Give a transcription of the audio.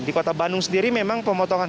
di kota bandung sendiri memang pemotongan